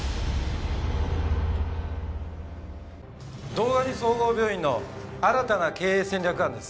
堂上総合病院の新たな経営戦略案です。